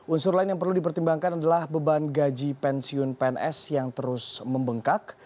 unsur lain yang perlu dipertimbangkan adalah beban gaji pensiun pns yang terus membengkak